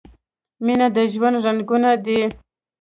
مینه د ژوند رنګونه دي.